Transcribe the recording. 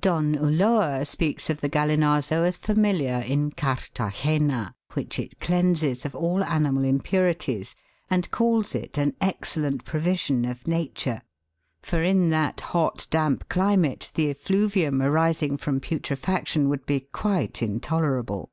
Don Ulloa speaks of the Gallinazo as familiar in Carthagena, which it cleanses of all animal impurities, and calls it an "excellent provision of nature," for in that THE GALLINAZO. 239 hot, damp climate the effluvium arising from putrefaction would be quite intolerable.